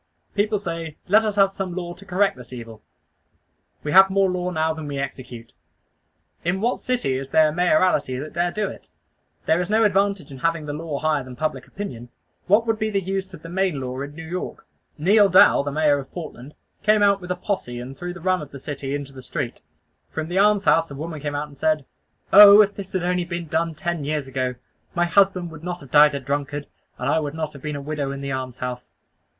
People say "Let us have some law to correct this evil." We have more law now than we execute. In what city is there a mayoralty that dare do it? There is no advantage in having the law higher than public opinion. What would be the use of the Maine Law in New York? Neal Dow, the Mayor of Portland, came out with a posse and threw the rum of the city into the street. From the alms house a woman came out and said, "Oh! if this had only been done ten years ago, my husband would not have died a drunkard, and I would not have been a widow in the almshouse."